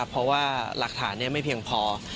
เพราะว่าหลักฐานไม่เพียงพอ